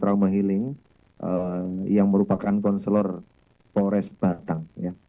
trauma healing yang merupakan konselor polres batang